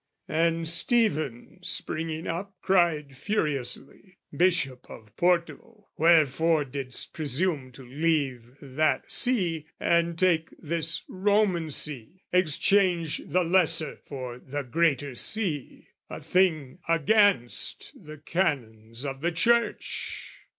"And Stephen, springing up, cried furiously "'Bishop of Porto, wherefore didst presume "'To leave that see and take this Roman see, "'Exchange the lesser for the greater see, "' A thing against the canons of the Church?'